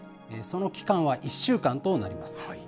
その期間は１週間となります。